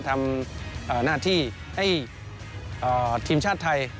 ทำหน้าที่ให้ทีมชาติไทย